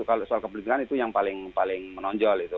kalau soal kepentingan itu yang paling menonjol itu